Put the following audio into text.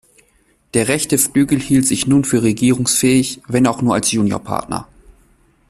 Der rechte Flügel hielt sich nun für regierungsfähig, wenn auch nur als Juniorpartner.